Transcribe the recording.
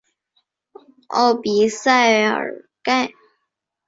奥比萨尔盖。